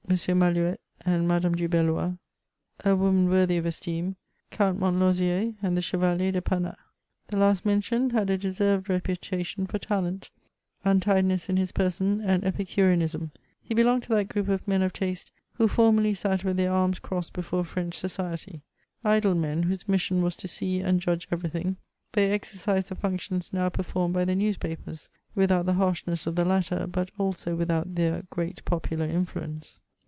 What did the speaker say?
Malou^t and Madame du BeUoy, a woman worthy of esteem, Count Montlosier, and the Chevalier de Fanat. The last mentioned had a deserved reputation for talent, untidiness in his person, and epiciureanism ; he belonged to that group o£ men of taste, who formerly sat with their iarms crossed before French society ; idle men, whose mission was to see and judge everything, they exercised the functions now performed by the newspapers, without the harshness of the latter, but also with out their great popular influence.